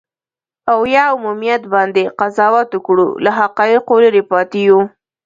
او یا عمومیت باندې قضاوت وکړو، له حقایقو لرې پاتې یو.